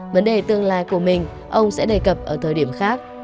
vấn đề tương lai của mình ông sẽ đề cập ở thời điểm khác